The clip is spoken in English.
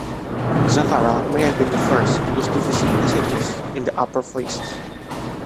Zacara may have been the first to use 'divisi' passages in the upper voices.